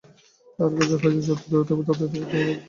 তাঁহার কাছ হইতে যত দূরে যাইবে ততই দুঃখে তোমার মুখ বিশুষ্ক হইবে।